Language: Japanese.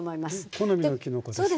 好みのきのこですよね。